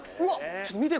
ちょっと見て！